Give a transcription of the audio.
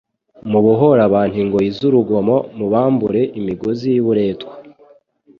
Mubohore abantu ingoyi z'urugomo, muhambure imigozi y'uburetwa...